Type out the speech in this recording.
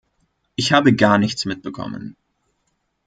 Ich habe gar nichts mitbekommen.